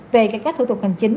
về cải cách thủ tục hành chính